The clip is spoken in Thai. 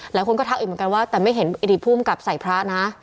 หลายคนก็ทักอีกเหมือนกันว่าแต่ไม่เห็นอดีตภูมิกับใส่พระนะ